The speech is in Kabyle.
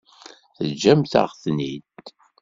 Teǧǧamt-aɣ-ten-id.